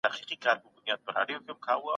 ټولنه د طبيعي اړتيا له مخې رامنځته کيږي.